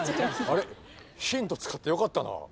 あれヒント使ってよかったな。